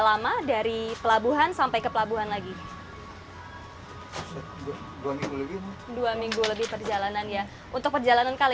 lama dari pelabuhan sampai ke pelabuhan lagi dua minggu lebih perjalanan ya untuk perjalanan kali